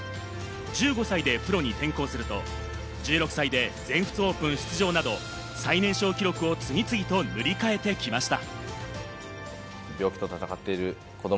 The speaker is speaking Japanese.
１５歳でプロに転向すると、１６歳で全仏オープン出場など、最年少記録を次々と塗り替えてきました。